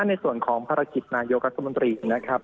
ในส่วนของภารกิจนายกรัฐมนตรีนะครับ